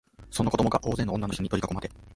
その子供が大勢の女のひとに取りかこまれ、